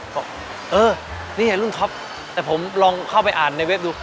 บอกเออนี่ไงรุ่นท็อปแต่ผมลองเข้าไปอ่านในเว็บดู